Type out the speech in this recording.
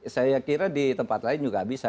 saya kira di tempat lain juga bisa